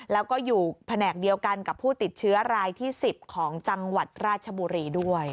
แล้วก็อยู่แผนกเดียวกันกับผู้ติดเชื้อรายที่๑๐ของจังหวัดราชบุรีด้วย